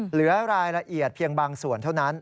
เหลือรายละเอียดเพียงบางส่วนเท่านั้น